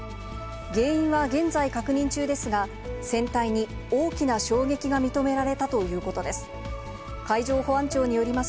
原因は現在確認中ですが、船体に大きな衝撃が認められたということです。